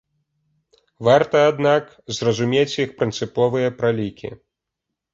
Варта, аднак, зразумець іх прынцыповыя пралікі.